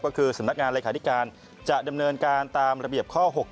ก็คือสำนักงานเลขาธิการจะดำเนินการตามระเบียบข้อ๖๖